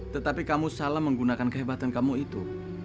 tetapi kamu salah menggunakan kehebatan kamu itu